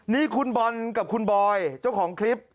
นี่คุณบอลกับคุณบอยเจ้าของคลิป